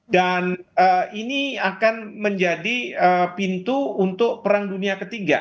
dan ini akan menjadi pintu untuk perang dunia ketiga